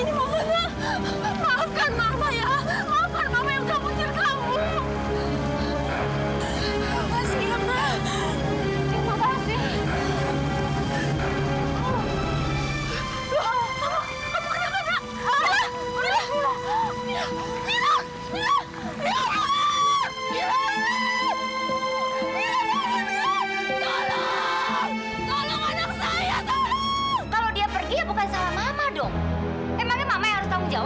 kenapa sih kamu selalu salahin mama